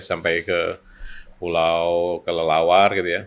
sampai ke pulau kelelawar gitu ya